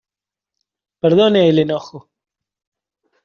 perdone el enojo.